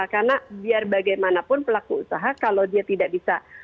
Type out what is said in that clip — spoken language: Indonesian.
karena biar bagaimanapun pelaku usaha kalau dia tidak bisa